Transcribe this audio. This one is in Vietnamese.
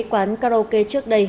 quán karaoke trước đây